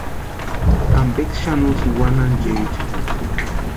¿Ampeksï xani usïni wanhanchaecha?